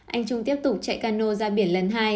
anh trung tiếp tục chạy cano ra biển lần hai